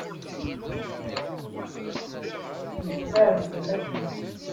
Ttmesxiṛen fell-akent.